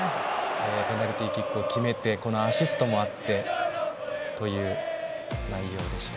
ペナルティーキックを決めてアシストもあってという内容でした。